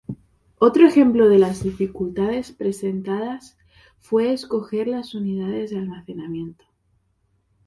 Otro ejemplo de las dificultades presentadas fue escoger las unidades de almacenamiento.